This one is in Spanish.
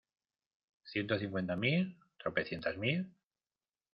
¿ ciento cincuenta mil? ¿ tropecientas mil ?